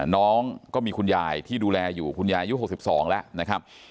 น้องก็มีคุณยายที่ดูแลอยู่คุณยายอายุ๖๒แล้วนะครับ